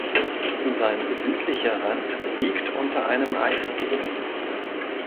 Sein südlicher Rand liegt unter einem Eisdom.